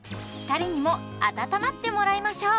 ２人にも暖まってもらいましょう